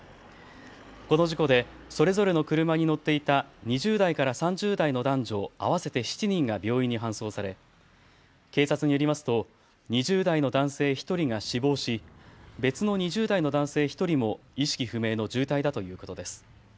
この事故でそれぞれの車に乗っていた２０代から３０代の男女合わせて７人が病院に搬送され警察によりますと２０代の男性１人が死亡し別の２０代の男性１人も意識不明の重体だということです。